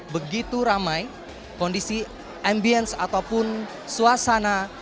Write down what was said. begitu ramai kondisi ambience ataupun suasana